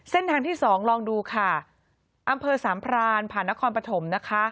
เส้นทางที่๒ลองดูค่ะอำเภอสามพรานผ่านกรณคลปฐม